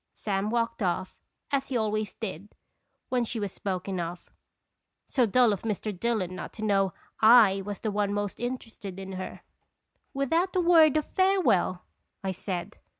Sam walked off, as he always did when she was spoken of. So dull of Mr. Dillon not to know /was the one most interested in her. " Without a word of farewell!" I said.